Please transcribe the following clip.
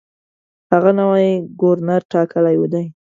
هغه نوی ګورنر ټاکلی دی.